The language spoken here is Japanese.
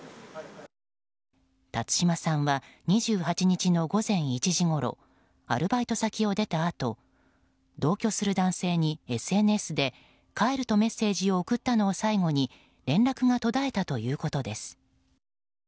辰島さんは２８日の午前１時ごろアルバイト先を出たあと同居する男性に、ＳＮＳで帰るとメッセージを送ったのを最後に連絡が途絶えたということです。